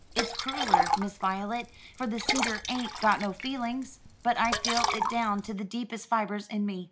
It's crueller, Miss Voylet, for the cedar ain't got no feelings but I feel it down to the deepest fibres in me.